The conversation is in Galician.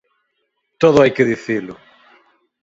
Todo hai que dicilo.